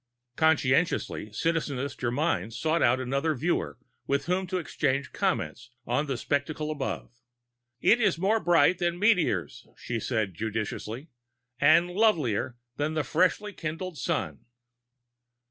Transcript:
Conscientiously, Citizeness Germyn sought out another viewer with whom to exchange comments on the spectacle above. "It is more bright than meteors," she said judiciously, "and lovelier than the freshly kindled Sun."